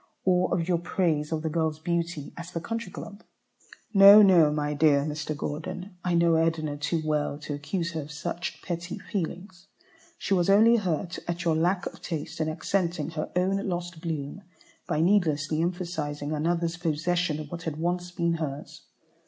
or of your praise of the girl's beauty at the Country Club? No, no, my dear Mr. Gordon, I know Edna too well to accuse her of such petty feelings. She was only hurt at your lack of taste in accenting her own lost bloom by needlessly emphasizing another's possession of what had once been hers.